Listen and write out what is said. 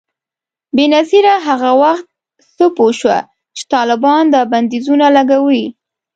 بېنظیره هغه وخت څه پوه شوه چي طالبان دا بندیزونه لګوي؟